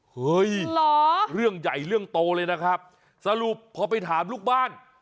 เฮ้ยเรื่องใหญ่เรื่องโตเลยนะครับสรุปพอไปถามลูกบ้าน